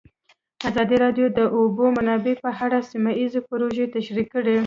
ازادي راډیو د د اوبو منابع په اړه سیمه ییزې پروژې تشریح کړې.